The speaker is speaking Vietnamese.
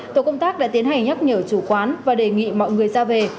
tổ công tác đã tiến hành nhắc nhở chủ quán và đề nghị mọi người ra về